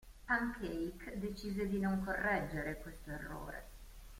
Pancake decise di non correggere questo errore.